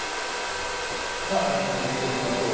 さあ、ランキングを続けていきましょう。